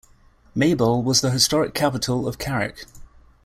Maybole was the historic capital of Carrick.